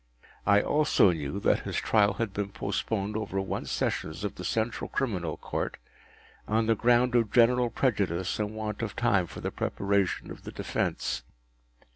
I also knew that his trial had been postponed over one Sessions of the Central Criminal Court, on the ground of general prejudice and want of time for the preparation of the defence.